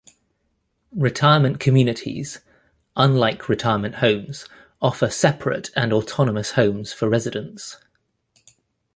Retirement communities, unlike retirement homes, offer separate and autonomous homes for residents.